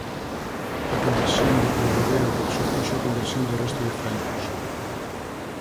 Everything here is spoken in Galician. A conversión de Clodoveo supuxo a conversión do resto de francos.